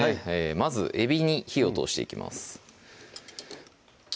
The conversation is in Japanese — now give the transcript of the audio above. まずえびに火を通していきます